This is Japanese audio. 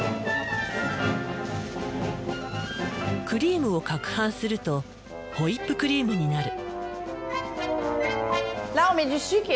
クリームをかくはんするとホイップクリームになる。